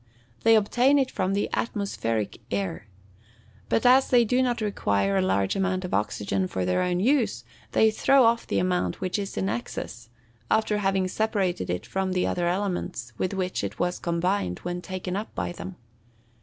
_ They obtain it from the atmospheric air. But as they do not require a large amount of oxygen for their own use, they throw off the amount which is in excess, after having separated it from the other elements with which it was combined when taken up by them.